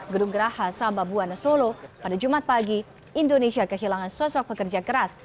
gedung geraha sababuana solo pada jumat pagi indonesia kehilangan sosok pekerja keras